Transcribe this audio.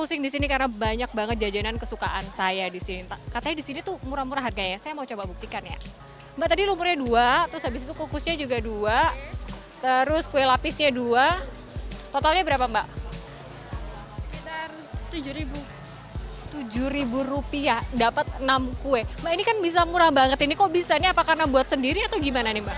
ini kan bisa murah banget ini kok bisa nih apa karena buat sendiri atau gimana nih mbak